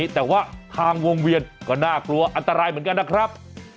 แต่ว่าทางวงเวียนก็น่ากลัวอันตรายเหมือนกันนะครับ